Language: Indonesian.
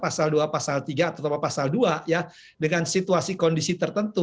pasal dua pasal tiga atau pasal dua ya dengan situasi kondisi tertentu